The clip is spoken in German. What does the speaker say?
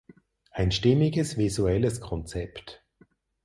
Ein stimmiges visuelles Konzept.